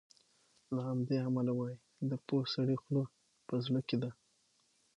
له همدې امله وایي د پوه سړي خوله په زړه کې ده.